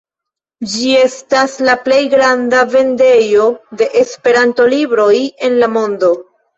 Ĝi estas la plej granda vendejo de Esperanto-libroj en la mondo.